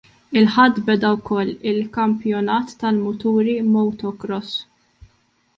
Il-Ħadd beda wkoll il-Kampjonat tal-muturi Motocross.